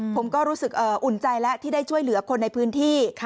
ผมก็รู้สึกอุ่นใจแล้วที่ได้ช่วยเหลือคนในพื้นที่